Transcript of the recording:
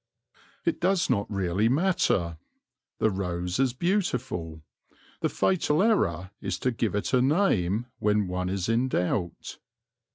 It does not really matter. The rose is beautiful. The fatal error is to give it a name when one is in doubt.